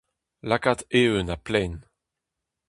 Lakaat eeun ha plaen.